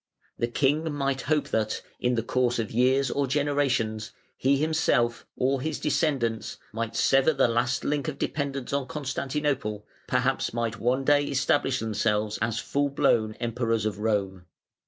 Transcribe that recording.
The King might hope that, in the course of years or generations, he himself, or his descendants, might sever the last link of dependence on Constantinople, perhaps might one day establish themselves as full blown Emperors of Rome.